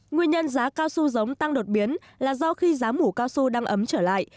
nguyên nhân giá cao su giống tăng đột biến là do khi giá mủ cao su đang ấm trở lại